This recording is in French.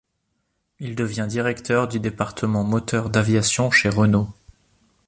Il devient directeur du département moteurs d'aviation chez Renault.